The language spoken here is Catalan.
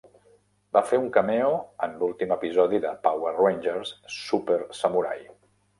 Va fer un cameo en l'últim episodi de Power Rangers Super Samurai.